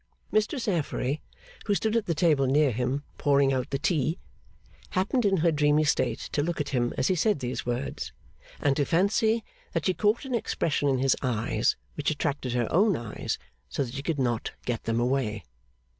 Mistress Affery, who stood at the table near him, pouring out the tea, happened in her dreamy state to look at him as he said these words, and to fancy that she caught an expression in his eyes which attracted her own eyes so that she could not get them away.